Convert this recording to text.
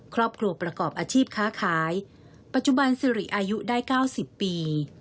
ครอบครัวประกอบอาชีพค้าขายปัจจุบันสิริอายุได้๙๐ปี